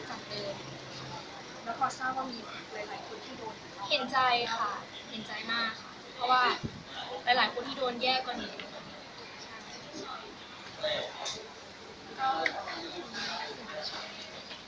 และแล้วก็มีหลายคนที่เห็นใจค่ะเห็นใจมากเพราะว่าหลายคนที่โดนแยกกว่านี้